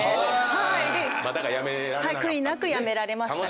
悔いなく辞められましたね。